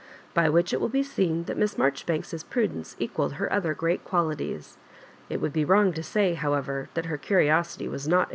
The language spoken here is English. By which it will be seen that Miss MaQoribanks's prudence equalled her other great quaUties. It would be wrong to say, however, that h«r curi • osity was not